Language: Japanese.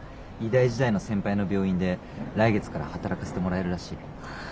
医大時代の先輩の病院で来月から働かせてもらえるらしい。